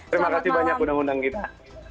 terima kasih banyak undang undang kita